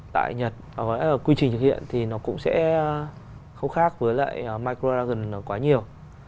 tại nhật có lẽ là quy trình thực hiện thì nó cũng sẽ không khác với lại microragons quá nhiều